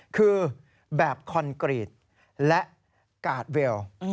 คือแบบคอนกรีตและกาดเวล